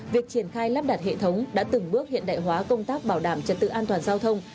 việc triển khai lắp đặt hệ thống đã từng bước hiện đại hóa công tác bảo đảm trật tự an toàn giao thông